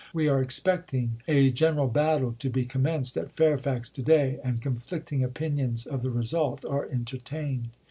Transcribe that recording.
We are expecting a gen eral battle to be commenced at Fairfax to day, and con flicting opinions of the result are entertained.